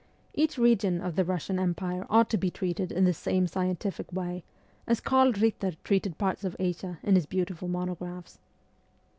Each region of the Russian Empire ought to be treated in the same scientific way, as Karl Bitter treated parts of Asia in his beautiful monographs.